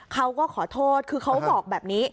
เขาก็ขอโทษคือเขาบอกแบบนี้